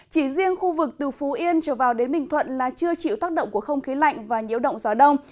chỉ riêng khu vực từ phú yên trở vào đến bình thuận là chưa chịu tác động của không khí lạnh và nhiễu động gió đông